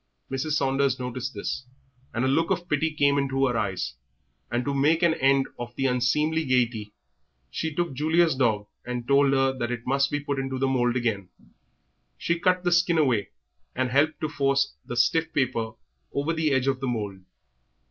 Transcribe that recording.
Mrs. Saunders noticed this, and a look of pity came into her eyes, and to make an end of the unseemly gaiety she took Julia's dog and told her that it must be put into the mould again. She cut the skin away, and helped to force the stiff paper over the edge of the mould.